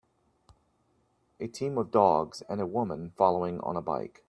A team of dogs, and a woman following on a bike.